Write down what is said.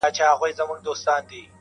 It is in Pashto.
پر ملا کړوپ عمر خوړلی-